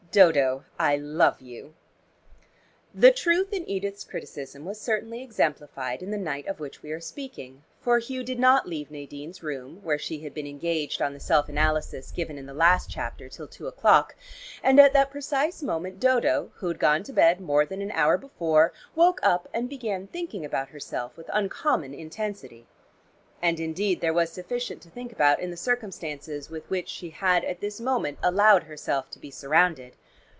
"Dodo, I love you." The truth in Edith's criticism was certainly exemplified in the night of which we are speaking, for Hugh did not leave Nadine's room, where she had been engaged on the self analysis given in the last chapter till two o'clock, and at that precise moment Dodo, who had gone to bed more than an hour before, woke up and began thinking about herself with uncommon intensity. And indeed there was sufficient to think about in the circumstances with which she had at this moment allowed herself to be surrounded.